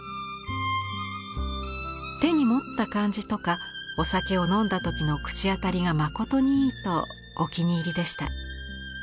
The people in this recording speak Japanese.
「手に持った感じとかお酒を飲んだ時の口当たりが誠にいい」とお気に入りでした。